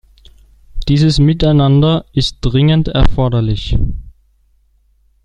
Dieses Miteinander ist dringend erforderlich.